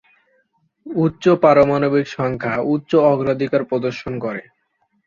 উচ্চ পারমাণবিক সংখ্যা উচ্চ অগ্রাধিকার প্রদর্শন করে।